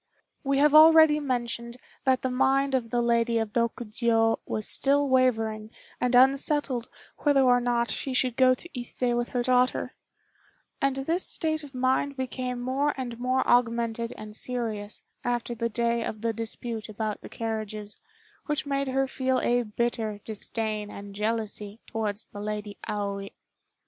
We have already mentioned that the mind of the Lady of Rokjiô was still wavering and unsettled whether or not she should go to Ise with her daughter; and this state of mind became more and more augmented and serious after the day of the dispute about the carriages, which made her feel a bitter disdain and jealousy towards the Lady Aoi.